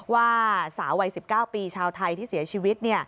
ว่าสาววัย๑๙ปีชาวไทยที่เสียชีวิต